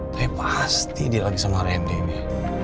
tapi pasti dia lagi sama rendy